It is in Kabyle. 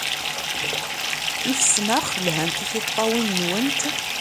Tifesnax lhant i tiṭṭawin-nwent.